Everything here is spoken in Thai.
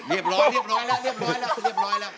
เรียบร้อยแล้วเรียบร้อยแล้ว